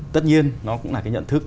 tất nhiên nó cũng là cái nhận thức